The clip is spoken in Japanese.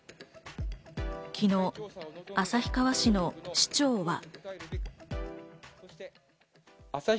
昨日、旭川市の市長は。